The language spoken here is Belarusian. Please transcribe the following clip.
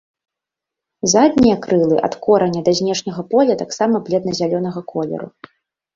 Заднія крылы ад кораня да знешняга поля таксама бледна-зялёнага колеру.